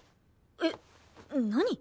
えっ何？